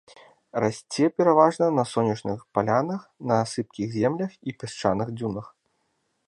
Расце пераважна на сонечных палянах на сыпкіх землях і пясчаных дзюнах.